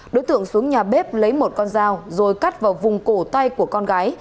đối tượng xuống nhà bếp lấy một con dao rồi cắt vào vùng cổ tay của con gái